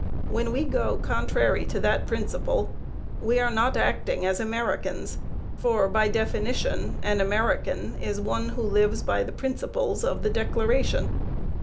When we go contrary to that principle, we are not acting as Americans; for, by definition, an American is one who lives by the principles of the Declaration.